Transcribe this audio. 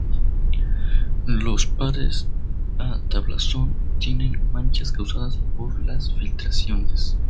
Los pares y tablazón tienen manchas causadas por las filtraciones.